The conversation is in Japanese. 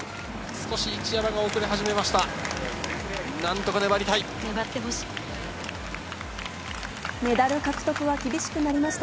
少し一山が遅れ始めました。